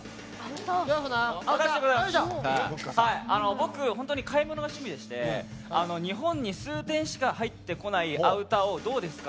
僕、本当に買い物が趣味でして日本に数点しか入ってこないアウターをどうですか？